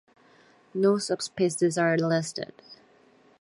No subspecies are listed.